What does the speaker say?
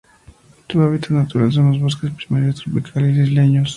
Su hábitat natural son los bosques primarios tropicales isleños.